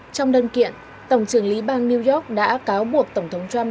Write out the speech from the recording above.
trong đơn kiện tổng trưởng lý bang new york đã cáo buộc tổng thống trump